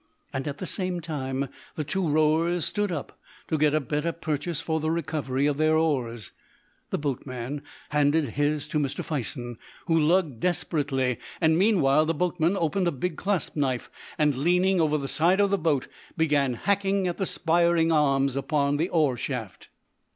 And, at the same time, the two rowers stood up to get a better purchase for the recovery of their oars. The boatman handed his to Mr. Fison, who lugged desperately, and, meanwhile, the boatman opened a big clasp knife, and, leaning over the side of the boat, began hacking at the spiring arms upon the oar shaft.